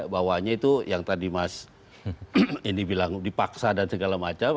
bahwanya itu yang tadi mas ini bilang dipaksa dan segala macam